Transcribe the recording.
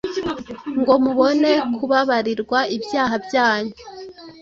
ngo mubone kubabarirwa ibyaha byanyu,